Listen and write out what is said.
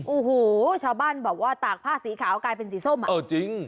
โอ้โหชาวบ้านบอกว่าตากผ้าสีขาวกลายเป็นสีส้มอ่ะเออจริง